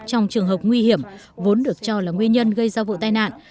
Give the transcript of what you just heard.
trong trường hợp nguy hiểm vốn được cho là nguyên nhân gây ra vụ tai nạn